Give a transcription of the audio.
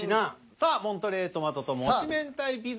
さあモントレー・トマトともち明太ピザ。